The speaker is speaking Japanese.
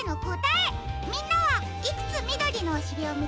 みんなはいくつみどりのおしりをみつけられたかな？